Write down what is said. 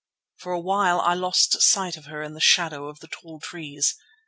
For a while I lost sight of her in the shadow of the tall trees.